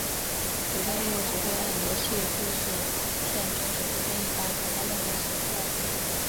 主线任务只会按游戏主故事线顺序出现一般可在任何时刻进行。